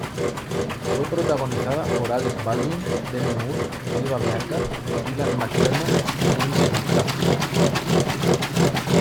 Fue protagonizada por Alec Baldwin, Demi Moore, Viva Bianca, Dylan McDermott y James McCaffrey.